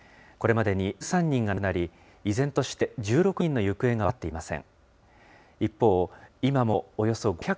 これまでに１３人が亡くなり、依然として１６人の行方が分かっていません。